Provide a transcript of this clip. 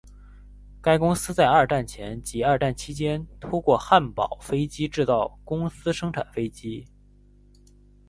该公司在二战前及二战期间透过汉堡飞机制造公司生产飞机。